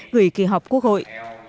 gửi kỳ họp quốc hội